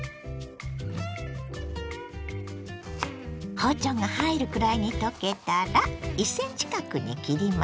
包丁が入るくらいにとけたら１ｃｍ角に切ります。